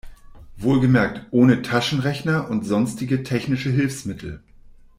Wohlgemerkt ohne Taschenrechner und sonstige technische Hilfsmittel.